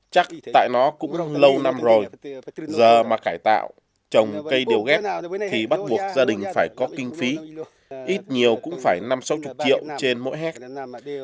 chắc tại nó cũng lâu năm rồi giờ mà cải tạo trồng cây đều ghép thì bắt buộc gia đình phải có kinh phí ít nhiều cũng phải năm sáu mươi triệu trên mỗi hectare